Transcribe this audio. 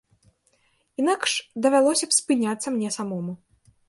Інакш давялося б спыняцца мне самому.